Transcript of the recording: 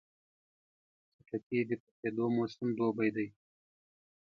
خټکی د پخېدو موسم دوبی دی.